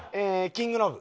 「キングノブ」。